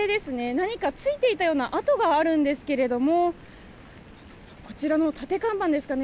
何かついていたような跡があるんですけれどもこちらの立て看板ですかね。